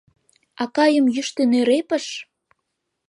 Акайым йӱштӧ нӧрепыш?